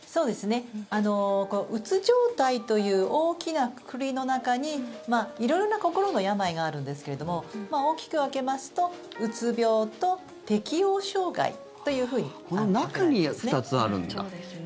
うつ状態という大きなくくりの中に色々な心の病があるんですけども大きく分けますとうつ病と適応障害というふうに分けられますね。